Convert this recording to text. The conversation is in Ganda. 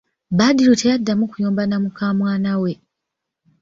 Badru teyaddamu kuyomba na mukamwana we.!